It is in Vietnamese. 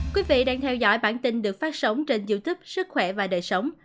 quý vị đang theo dõi bản tin được phát sóng trên youtube sức khỏe và đời sống